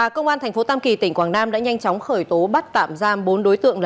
công an tp tam kỳ tỉnh quảng nam đã nhanh chóng khởi tố bắt tạm giam bốn đối tượng